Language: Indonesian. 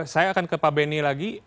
saya akan ke pak beni lagi